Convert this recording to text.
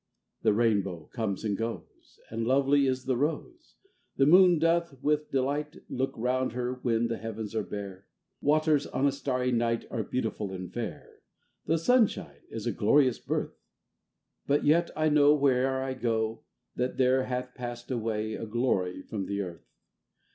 ir. The Rainbow comes and goes, And lovely is the Rose, The Moon doth with delight , Look round her when the heavens are bare, Waters on a starry night Are beautiful and fair ; The sunshine is a glorious birth ; But yet I know, where'er I go, [That there hath past away a glory from the earth.